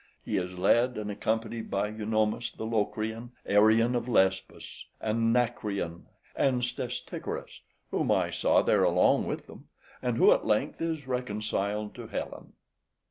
He is led in accompanied by Eunomus the Locrian, {121a} Arion of Lesbos, Anacreon, and Stesichorus, {121b} whom I saw there along with them, and who at length is reconciled to Helen.